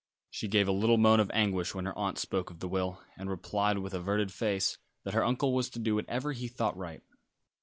She gave a little moan of anguish when her aunt spoke of the will, and replied, with averted face, that her uncle was to do whatever he thought right.